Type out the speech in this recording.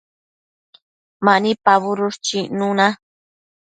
Mani pabudush chicnuna